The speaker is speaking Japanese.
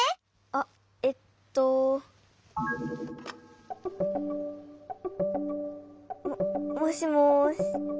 あっえっと。ももしもし。